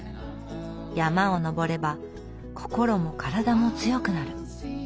山を登れば心も体も強くなる。